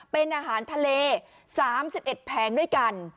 เป็นอาหารทะเล๓๑แผงด้วยกัน